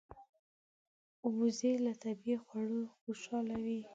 وزې له طبیعي خواړو خوشاله وي